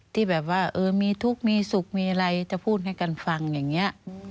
ที่แบบว่ามีทุกข์มีสุขมีอะไรจะพูดให้กันฟังอย่างนี้